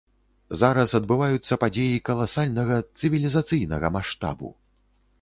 Зараз адбываюцца падзеі каласальнага, цывілізацыйнага маштабу.